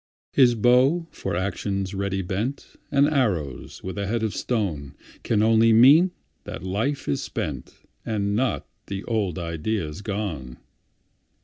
His bow for action ready bent, And arrows with a head of stone, Can only mean that life is spent, And not the old ideas gone.